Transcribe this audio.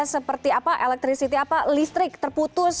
seperti apa elektrisiti apa listrik terputus